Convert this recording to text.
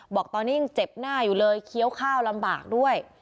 บอกตอนนี้ยังเจ็บหน้าอยู่เลยเคี้ยวข้าวลำบากด้วย